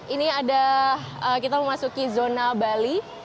ini ada kita memasuki zona bali